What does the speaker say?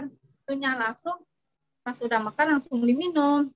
itu nya langsung pas udah mekar langsung diminum